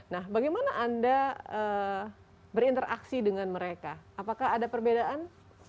nah bagaimana anda berinteraksi dengan mereka apakah ada perbedaan